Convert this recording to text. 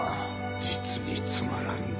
実につまらん字だ